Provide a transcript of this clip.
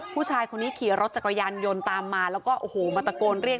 ผู้ชายคนนี้ขี่รถจักรยานยนต์ตามมาแล้วก็โอ้โหมาตะโกนเรียก